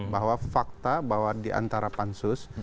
bahwa fakta bahwa diantara pansus